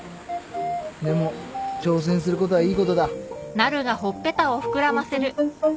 でも挑戦することはいいことだ。